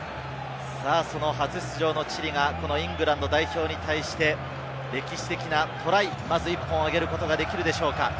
その初出場のチリがイングランド代表に対して歴史的なトライ、まず１本あげることができるでしょうか。